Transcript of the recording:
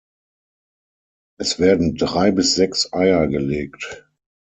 Es werden drei bis sechs Eier gelegt.